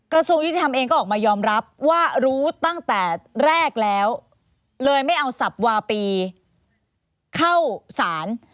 กระทรวงยุติธรรมเองก็ออกมายอมรับว่ารู้ตั้งแต่แรกแล้วเลยไม่เอาสับวาปีเข้าสาร